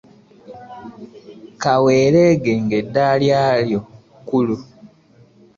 Kaweleege nga edya lyo bukulu.